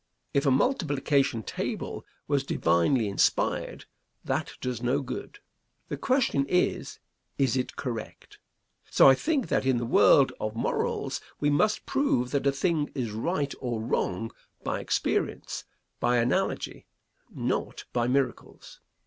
If a multiplication table was divinely inspired, that does no good. The question is, is it correct? So I think that in the world of morals, we must prove that a thing is right or wrong by experience, by analogy, not by miracles.